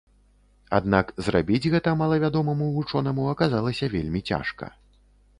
Аднак зрабіць гэта малавядомаму вучонаму аказалася вельмі цяжка.